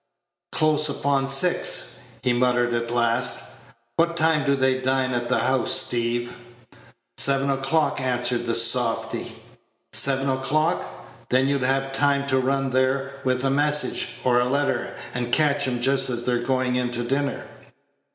"Close upon six," he muttered at last. "What time do they dine at the house, Steeve?" "Seven o'clock," answered the softy. "Seven o'clock. Then you'd have time to run there with a message, or a letter, and catch 'em just as they're going in to dinner."